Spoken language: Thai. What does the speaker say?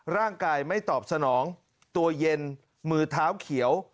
ร่างกายไม่ตอบสนองตัวเย็นมือเท้าเขียว